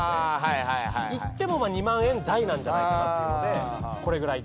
いっても２万円台なんじゃないかというのでこれぐらいで。